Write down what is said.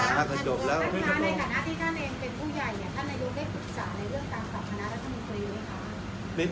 เนี่ยเขาบอกว่าแล้วแต่คุณนายโยปฟังไม่รู้เรื่อง